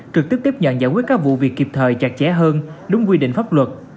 trực tiếp tiếp nhận giải quyết các vụ việc kịp thời chặt chẽ hơn đúng quy định pháp luật